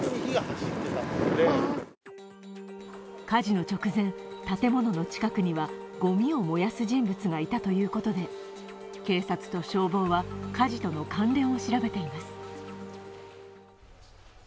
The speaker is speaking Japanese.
火事の直前、建物の近くにはごみを燃やす人物がいたということで警察と消防は火事との関連を調べています。